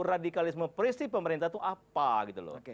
radikalisme presi pemerintah itu apa gitu loh